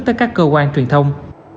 tới các cơ quan truyền thông